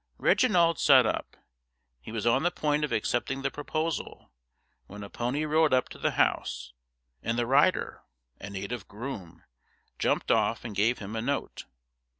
Reginald sat up. He was on the point of accepting the proposal, when a pony rode up to the house, and the rider, a native groom, jumped off and gave him a note.